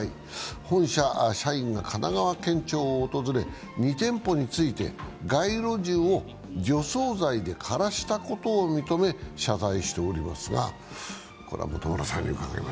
本社社員が神奈川県庁を訪れ、２店舗について街路樹を除草剤で枯らしたことを認め謝罪しています。